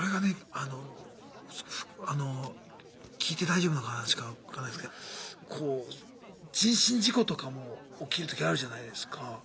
あのあの聞いて大丈夫な話か分かんないですけどこう人身事故とかも起きるときあるじゃないですか。